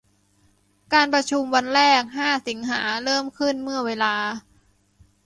การประชุมวันแรก ห้า สิงหาคม เริ่มขึ้นเมื่อเวลา